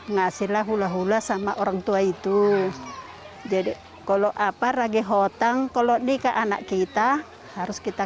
ngasihlah hula hula sama orang tua itu jadi kalau apa ragi hotang kalau nikah anak kita harus kita